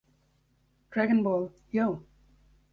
Dragon Ball: Yo!